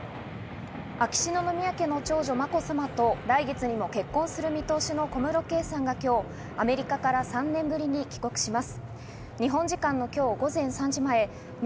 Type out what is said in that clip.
秋篠宮家の長女・まこさまと来月にも結婚する見通しの小室圭さんが今日、アメリカから３年ぶりに帰国します。